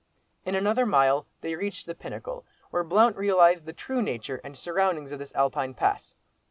In another mile they reached the pinnacle, where Blount realised the true nature and surroundings of this Alpine Pass.